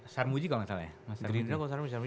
sarmuji kalau gak salah ya